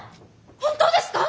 本当ですか？